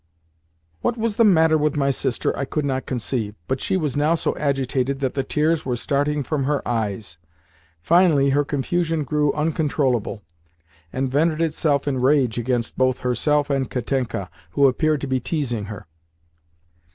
What was the matter with my sister I could not conceive, but she was now so agitated that the tears were starting from her eyes. Finally her confusion grew uncontrollable, and vented itself in rage against both herself and Katenka, who appeared to be teasing her.